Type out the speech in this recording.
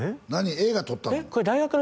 映画撮ったの？